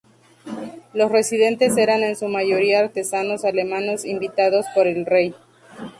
Los residentes eran en su mayoría artesanos alemanes invitados por el rey.